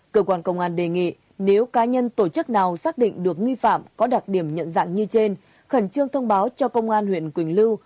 cơ quan công an đề nghị nếu cá nhân tổ chức nào xác định được nghi phạm có đặc điểm nhận dạng như trên khẩn trương thông báo cho công an huyện quỳnh lưu